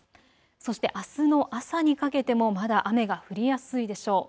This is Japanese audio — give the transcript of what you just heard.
そして、あすの朝にかけてもまだ雨が降りやすいでしょう。